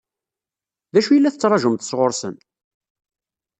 D acu i la tettṛaǧumt sɣur-sen?